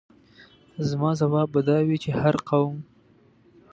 زما ځواب به دا وي چې هر قوم.